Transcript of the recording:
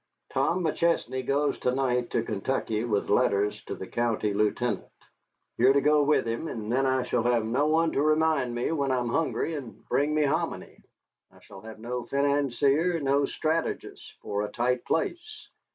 "Tom McChesney goes to night to Kentucky with letters to the county lieutenant. You are to go with him, and then I shall have no one to remind me when I am hungry, and bring me hominy. I shall have no financier, no strategist for a tight place."